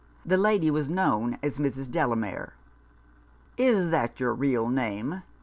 This lady was known as Mrs. Delamere. " Is that your real name ?